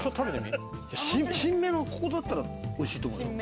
新芽のここだったらおいしいと思うよ。